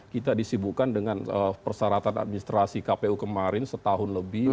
kita disibukan dengan persyaratan administrasi kpu kemarin setahun lebih